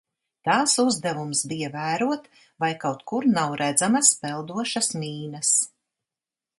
Tās uzdevums bija vērot, vai kaut kur nav redzamas peldošas mīnas.